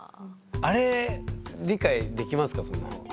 あれ理解できますか？